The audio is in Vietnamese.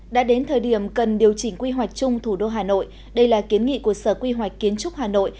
đã đến thời điểm cần điều chỉnh quy hoạch chung thủ đô hà nội đây là kiến nghị của sở quy hoạch kiến trúc hà nội